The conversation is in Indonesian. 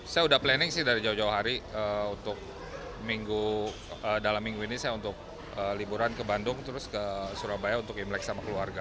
saya udah planning sih dari jauh jauh hari untuk dalam minggu ini saya untuk liburan ke bandung terus ke surabaya untuk imlek sama keluarga